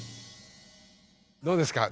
どうですか？